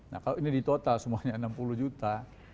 nah kalau ini di total semuanya enam puluh juta